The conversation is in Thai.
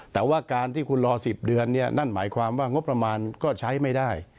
แต่ว่าการที่คุณรอ๑๐เดือนเนี่ยนั่นหมายความว่างบประมาณก็ใช้ไม่ได้